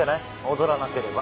踊らなければ。